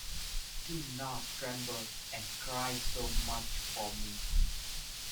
Do not tremble and cry so much for me.